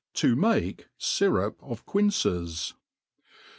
To make Syrup of ^inces.